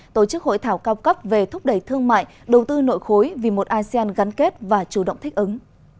tổ chức hội thảo cao cấp về thúc đẩy thương mại đầu tư nội khối vì một asean gắn kết và chủ động thích ứng